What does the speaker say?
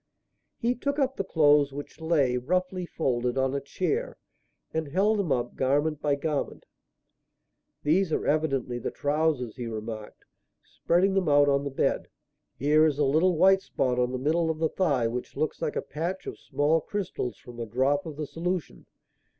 He took up the clothes which lay, roughly folded, on a chair and held them up, garment by garment. "These are evidently the trousers," he remarked, spreading them out on the bed. "Here is a little white spot on the middle of the thigh which looks like a patch of small crystals from a drop of the solution.